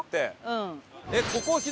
うん。